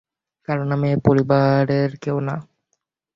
কারণ আমি এই পরিবারের কেউ না!